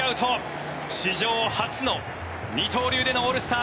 史上初の二刀流でのオールスター